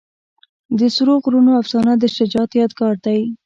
د سرو غرونو افسانه د شجاعت یادګار ده.